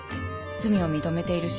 罪を認めているし